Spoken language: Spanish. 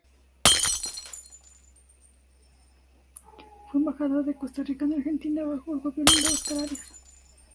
Fue embajador de Costa Rica en Argentina bajo el gobierno de Óscar Arias.